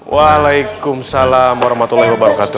wa'alaikumussalam warahmatullahi wabarakatuh